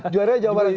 juara juara jawa barat